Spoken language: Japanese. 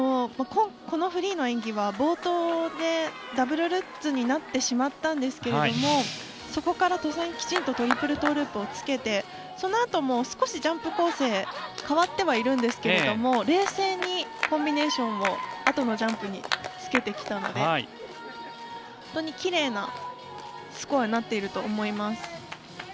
フリーの演技は冒頭でダブルルッツになってしまったんですがそこから、とっさにきちんとトリプルトーループをつけてそのあとも、少しジャンプ構成変わってはいるんですけれども冷静にコンビネーションをあとのジャンプにつけてきたので本当にきれいなスコアになっていると思います。